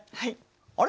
あれ？